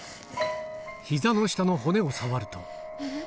ひざの下の骨を触ると。